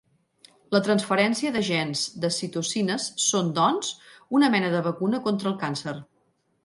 La transferència de gens de citocines són, doncs, una mena de vacuna contra el càncer.